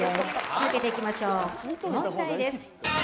続けていきましょう、問題です。